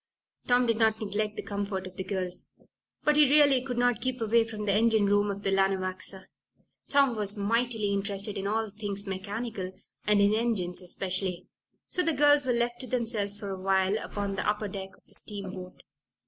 Tom did not neglect the comfort of the girls, but he really could not keep away from the engine room of the Lanawaxa. Tom was mightily interested in all things mechanical, and in engines especially. So the girls were left to themselves for a while upon the upper deck of the steamboat.